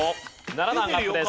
７段アップです。